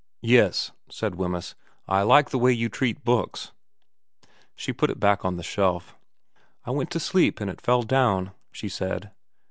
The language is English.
' Yes,' said Wemyss. ' I like the way you treat books.' She put it back on its shelf. ' I went to sleep, and it fell down,' she said.